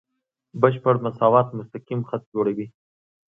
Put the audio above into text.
بشپړ مساوات مستقیم خط جوړوي.